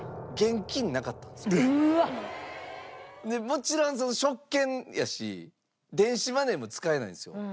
もちろん食券やし電子マネーも使えないんですよ。